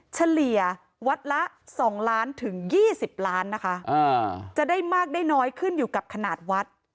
เฉลี่ยววัดละ๒ล้านถึง๒๐ล้านนะคะจะได้มากได้น้อยขึ้นอยู่กับขนาดวัด